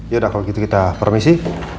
yaudah kalau gitu kita permisi